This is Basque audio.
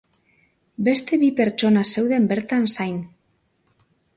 Beste bi pertsona zeuden bertan zain.